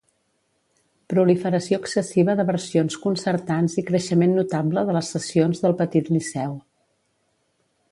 Proliferació excessiva de versions concertants i creixement notable de les sessions del Petit Liceu.